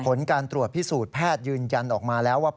ผลการตรวจพิสูจน์แพทย์ยืนยันออกมาแล้วว่า